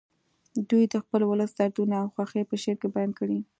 دوی د خپل ولس دردونه او خوښۍ په شعر کې بیان کړي